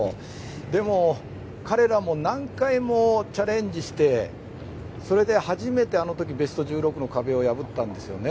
でも彼らも何回もチャレンジしてそれで初めて、あの時ベスト１６の壁を破ったんですよね。